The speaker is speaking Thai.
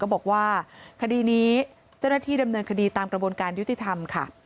บอกว่าคดีนี้เจ้าหน้าที่ดำเนินคดีตามกระบวนการยุติธรรมค่ะ